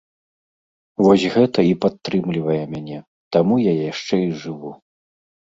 Вось гэта і падтрымлівае мяне, таму я яшчэ і жыву.